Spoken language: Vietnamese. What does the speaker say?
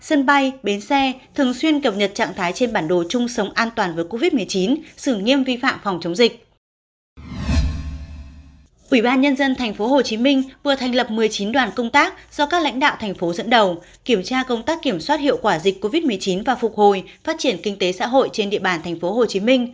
ủy ban nhân dân tp hcm vừa thành lập một mươi chín đoàn công tác do các lãnh đạo thành phố dẫn đầu kiểm tra công tác kiểm soát hiệu quả dịch covid một mươi chín và phục hồi phát triển kinh tế xã hội trên địa bàn tp hcm